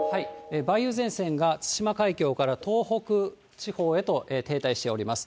梅雨前線が対馬海峡から東北地方へと停滞しております。